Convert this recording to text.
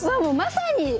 もうまさに。